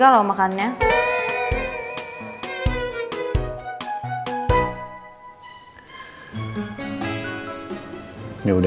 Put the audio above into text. kalau muka aku sama reina nanti kamu gak terima